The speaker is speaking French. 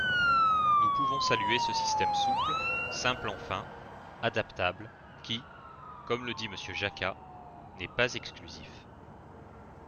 Nous pouvons saluer ce système souple, simple enfin, adaptable, qui, comme le dit Monsieur Jacquat, n’est pas exclusif.